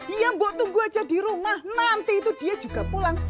iya mbok tunggu aja di rumah nanti itu dia juga pulang